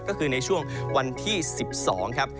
ก็คือในช่วงวันที่๑๒ครับ